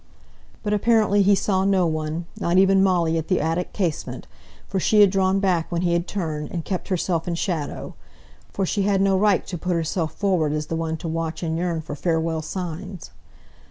But apparently he saw no one, not even Molly at the attic casement; for she had drawn back when he had turned, and kept herself in shadow; for she had no right to put herself forward as the one to watch and yearn for farewell signs.